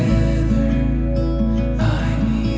ในโลกที่นี้